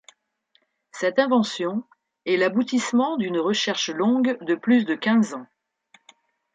Cette invention est l'aboutissement d'une recherche longue de plus de quinze ans.